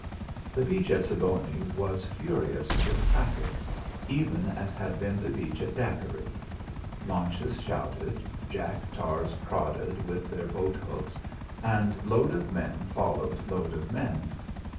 The beach at Siboney was furious with traffic, even as had been the beach at Daqueri. Launches shouted, jack tars prodded with their boathooks, and load of men followed load of men.